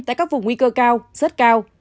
tại các vùng nguy cơ cao rất cao